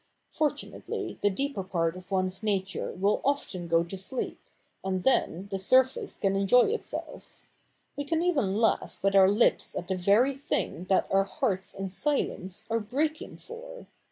Fortunately the deeper part of one's nature will often go to sleep, and then the surface can enjoy itself. We can even laugh \vith our lips at the very things that our hearts in silence are breaking for.